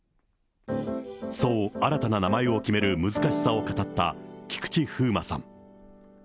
そう新たな名前を決める難しさを語った菊池風磨さん。